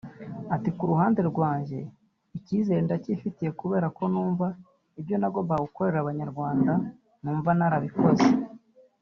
Ati “Ku ruhande rwanjye njyewe icyizere ndacyifitiye kubera ko numva ibyo nagombaga gukorera Abanyarwanda numva narabikoze